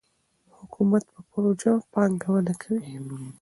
حکومت په پروژو پانګونه کوي.